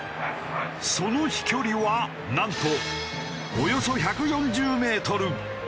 その飛距離はなんとおよそ１４０メートル。